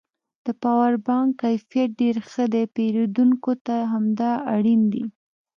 د پاور بانک کیفیت ډېر ښه دی پېرودونکو ته همدا اړین دی